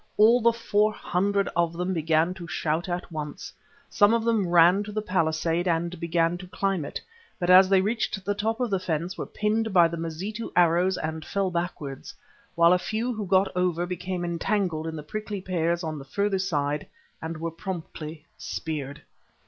All the four hundred of them began to shout at once. Some of them ran to the palisade and began to climb it, but as they reached the top of the fence were pinned by the Mazitu arrows and fell backwards, while a few who got over became entangled in the prickly pears on the further side and were promptly speared.